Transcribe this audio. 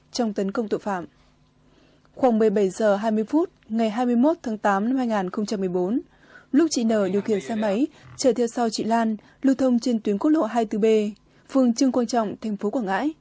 trong tấn công tội phạm khoảng một mươi bảy h hai mươi ngày hai mươi một tháng tám năm hai nghìn một mươi bốn lúc chị nở điều khiển xe máy trở theo sau chị lan lưu thông trên tuyến cốt lộ hai mươi bốn b phường trưng quang trọng thành phố quảng ngãi